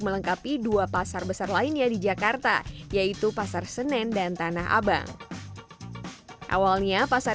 melengkapi dua pasar besar lainnya di jakarta yaitu pasar senen dan tanah abang awalnya pasar